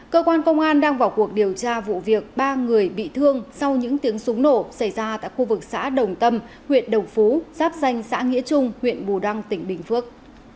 cơ quan công an đang vào cuộc điều tra vụ việc ba người bị thương sau những tiếng súng nổ xảy ra tại khu vực xã đồng tâm huyện đồng phú giáp danh xã nghĩa trung huyện bù đăng tỉnh bình phước